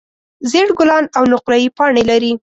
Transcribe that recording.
زېړ ګلان او نقریي پاڼې لري.